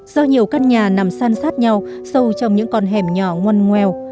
do nhiều căn nhà nằm san sát nhau sâu trong những con hẻm nhỏ ngon nguèo